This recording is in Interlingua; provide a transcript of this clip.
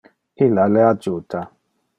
Illa le adjuta.